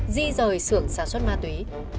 di rời sưởng sản xuất ma túy